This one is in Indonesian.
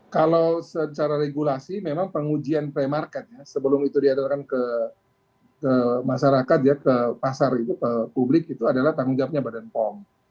kalau secara regulasi memang pengujian premarket sebelum itu diadakan ke masyarakat ke pasar publik itu adalah tanggung jawabnya badan pom